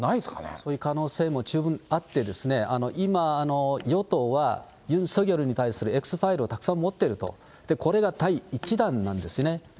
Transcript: そういう可能性も十分あって、今、与党はユン・ソギョルに対するＸファイルをたくさん持っていると、これ、第１弾なんですね。